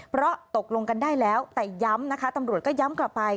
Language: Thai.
เพราะตกลงกันได้แล้วแต่ย้ำนะคะตำรวจก็ย้ำกลับไป